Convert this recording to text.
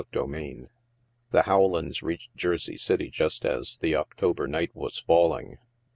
CHAPTER X The Howlands reached Jersey City just as the October night was falling.